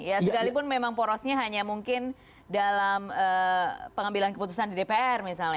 ya sekalipun memang porosnya hanya mungkin dalam pengambilan keputusan di dpr misalnya